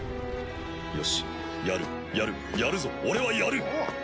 よしやるやるやるぞ俺はやる！